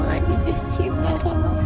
adi jazz cinta sama adi pak